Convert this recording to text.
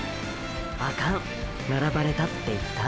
「アカン」「並ばれた」って言った？